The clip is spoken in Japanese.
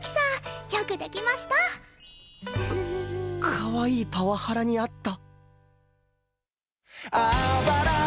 かわいいパワハラに遭った